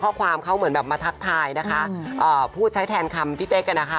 ข้อความเขาเหมือนแบบมาทักทายนะคะเอ่อพูดใช้แทนคำพี่เป๊กอ่ะนะคะ